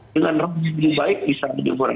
dengan rp seratus triliun baik bisa jual lebih murah